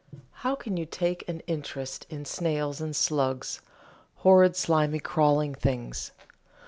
"How can you take an interest in snails and slugs? horrid, slimy, crawling things!"